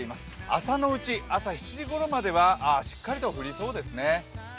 朝のうち、朝７時ごろまではしっかりと降りそうですね。